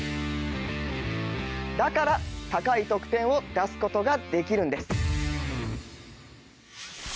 だから、高い得点を出すことができるんです。